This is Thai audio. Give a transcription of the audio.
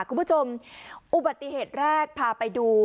คุณผู้ชมอุบัติเหตุแรกพาไปดู